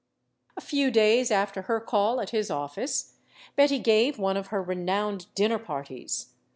A few days after her call at his office, Betty gave one of her renowned dinner parties.